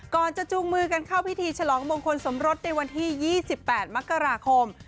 จะจูงมือกันเข้าพิธีฉลองมงคลสมรสในวันที่๒๘มกราคม